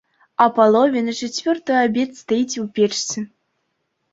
А палове на чацвёртую абед стаіць у печцы.